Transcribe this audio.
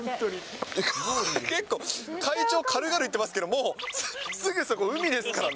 結構、会長、軽々行ってますけど、もうすぐそこ、海ですからね。